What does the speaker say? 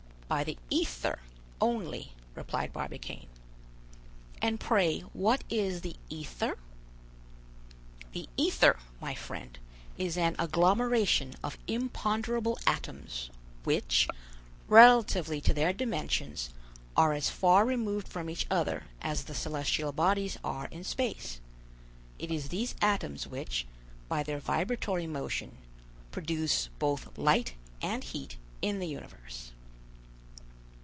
"By the ether only," replied Barbicane. "And pray what is the ether?" "The ether, my friend, is an agglomeration of imponderable atoms, which, relatively to their dimensions, are as far removed from each other as the celestial bodies are in space. It is these atoms which, by their vibratory motion, produce both light and heat in the universe."